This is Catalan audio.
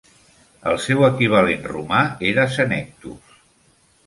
El seu equivalent romà era Senectus.